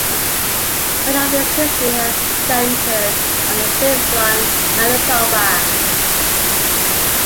Much of its history has centered on Flin Flon, Manitoba.